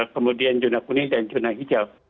kemudian jurnal kuning dan jurnal hijau